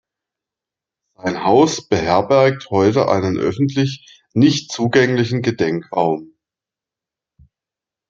Sein Haus beherbergt heute einen öffentlich nicht zugänglichen Gedenkraum.